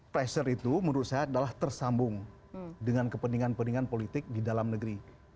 pressure itu menurut saya adalah tersambung dengan kepentingan kepentingan politik di dalam negeri